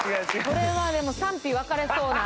これはでも賛否分かれそうな。